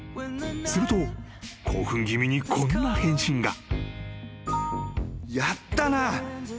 ［すると興奮気味にこんな返信が］